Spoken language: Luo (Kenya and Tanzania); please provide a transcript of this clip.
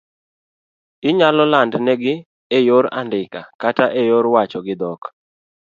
Inyalo landnigi eyor andiko kata eyor wacho gi dhok